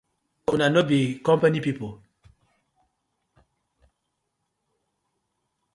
So una no be compani people?